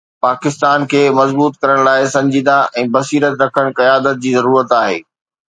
پاڪستان کي مضبوط ڪرڻ لاءِ سنجيده ۽ بصيرت رکندڙ قيادت جي ضرورت آهي.